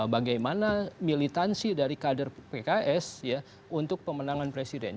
bagaimana militansi dari kader pks untuk pemenangan presiden